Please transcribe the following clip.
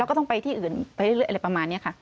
แล้วก็ต้องไปที่อื่นไปเรื่อยอะไรประมาณนี้ค่ะ